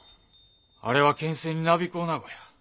あれは権勢になびくおなごや。